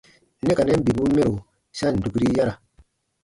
Nɛ ka nɛn bibun mɛro sa ǹ dukiri yara.